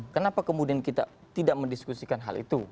kenapa kemudian kita tidak mendiskusikan hal itu